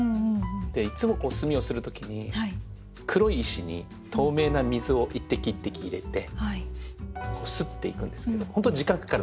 でいつも墨をする時に黒い石に透明な水を一滴一滴入れてすっていくんですけど本当に時間かかるんですね。